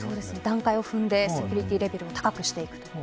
段階を踏んでセキュリティレベルを高くしていくと。